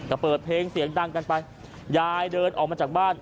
ก็เปิดเพลงเสียงดังกันไปยายเดินออกมาจากบ้าน